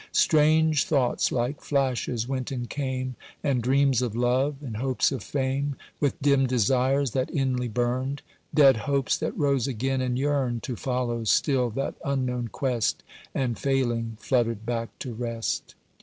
Strange thoughts like flashes went and came, And dreams of love, and hopes of fame, With dim desires that inly burned; Dead hopes that rose again and yearned To follow still that unknown quest, And failing, fluttered back to rest.